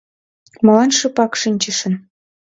Молан шыпак шинчышыч?..